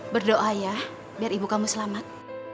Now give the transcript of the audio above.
berdoa ya biar ibu kamu selamat